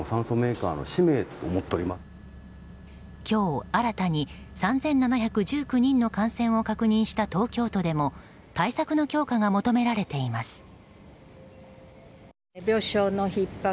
今日新たに３７１９人の感染を確認した東京都でも対策の強化が求められています。